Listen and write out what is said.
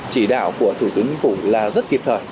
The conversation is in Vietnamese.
chỉ đạo của thủ tướng chính phủ là rất kịp thời